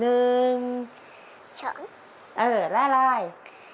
เออและอะไร